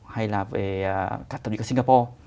hay là về các tổ chức ở singapore